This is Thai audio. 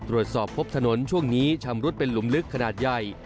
ตรวจสอบพบถนนช่วงนี้ชำรุดเป็นหลุมลึกขนาดใหญ่